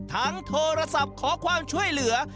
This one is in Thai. โทรศัพท์ขอความช่วยเหลือ